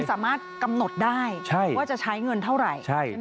สามารถกำหนดได้ว่าจะใช้เงินเท่าไหร่